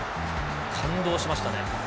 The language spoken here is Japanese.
感動しましたね。